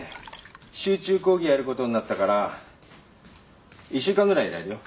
集中講義やることになったから１週間ぐらいいられるよ。